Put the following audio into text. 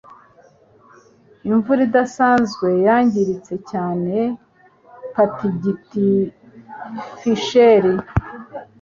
Imvura idasanzwe yangiritse cyane. (patgfisher)